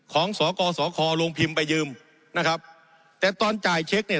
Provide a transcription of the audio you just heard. สกสคโรงพิมพ์ไปยืมนะครับแต่ตอนจ่ายเช็คเนี่ย